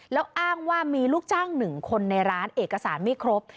แล้วอ้างว่ามีลูกจ้าง๑คนในร้านเอกสารไม่ครบ